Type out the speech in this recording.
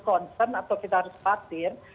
concern atau kita harus patin